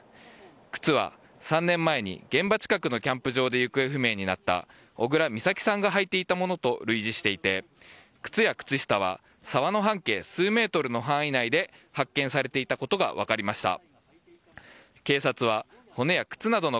靴は３年前に現場近くのキャンプ場で行方不明になった小倉美咲さんが履いていたものと類似していて靴や靴下は沢の半径数メートルの範囲内で発見されていたことが分かりました。